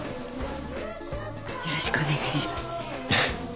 よろしくお願いします。